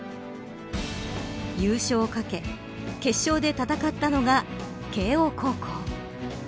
優勝を懸け決勝で戦ったのが慶応高校。